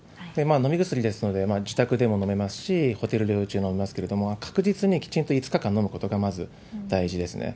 飲み薬ですので、自宅でも飲めますし、ホテル療養中にも飲めますけれども、確実にきちんと５日間飲むことがまず大事ですね。